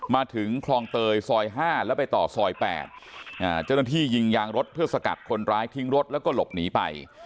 มาถึงคลองเตยซอย๕แล้วไปต่อซอย๘เจ้าหน้าที่ยิงยางรถเพื่อสกัดคนร้ายทิ้งรถแล้วก็หลบหนีไป